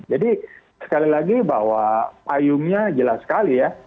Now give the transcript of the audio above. jadi sekali lagi bahwa payungnya jelas sekali ya